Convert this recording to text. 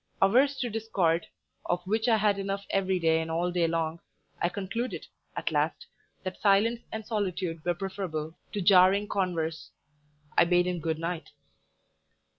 Averse to discord, of which I had enough every day and all day long, I concluded, at last, that silence and solitude were preferable to jarring converse; I bade him good night.